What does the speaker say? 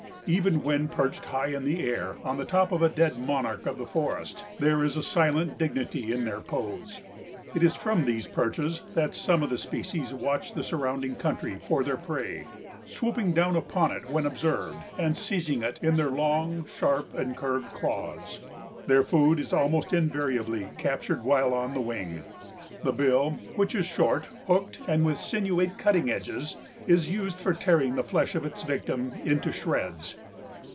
Even when perched high in the air on the top of a dead monarch of the forest, there is a silent dignity in their pose. It is from these perches that some of the species watch the surrounding country for their prey, swooping down upon it when observed and seizing it in their long, sharp and curved claws. Their food is almost invariably captured while on the wing. The bill, which is short, hooked and with sinuate cutting edges, is used for tearing the flesh of its victim into shreds.